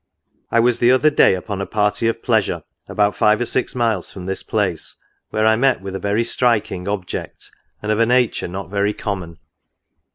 I was the other day upon a party of pleasure, about five or six miles from this place, where I met with a very striking object, and of a nature not very common.